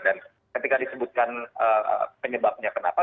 dan ketika disebutkan penyebabnya kenapa